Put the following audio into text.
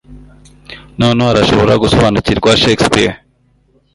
noneho arashobora gusobanukirwa shakespeare